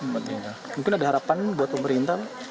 mungkin ada harapan buat pemerintah